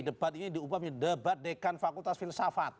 debat ini diubah menjadi debat dekan fakultas filsafat